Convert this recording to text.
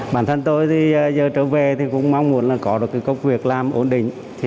bản thân tôi giờ trở về cũng mong muốn có được công việc làm ổn định